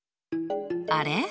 あれ？